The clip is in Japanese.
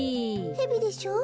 ヘビでしょ？